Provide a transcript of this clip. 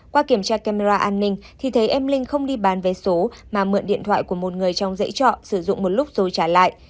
qua kiểm tra camera an ninh thì thấy em linh không đi bán vé số mà mượn điện thoại của một người trong dãy trọ sử dụng một lúc rồi trả lại